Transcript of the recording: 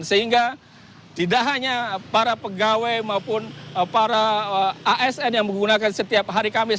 sehingga tidak hanya para pegawai maupun para asn yang menggunakan setiap hari kamis